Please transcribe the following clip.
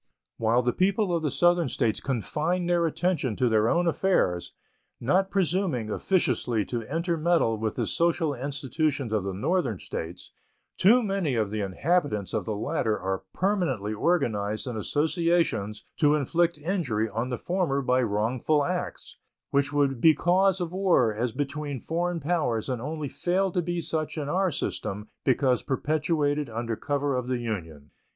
While the people of the Southern States confine their attention to their own affairs, not presuming officiously to intermeddle with the social institutions of the Northern States, too many of the inhabitants of the latter are permanently organized in associations to inflict injury on the former by wrongful acts, which would be cause of war as between foreign powers and only fail to be such in our system because perpetrated under cover of the Union.